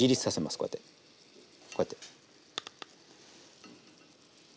こうやってこうやって。